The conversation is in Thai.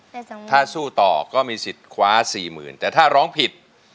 แต่ถ้าสู้ต่อก็มีสิทธิ์คว้าสี่หมื่นแต่ถ้าร้องผิด